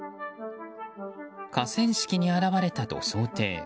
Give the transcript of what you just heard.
河川敷に現れたと想定。